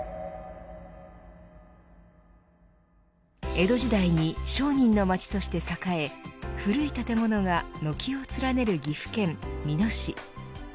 江戸時代に商人の街として栄え古い建物が軒を連ねる岐阜県美濃市。